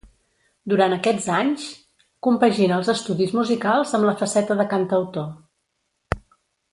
Durant aquests anys, compagina els estudis musicals amb la faceta de cantautor.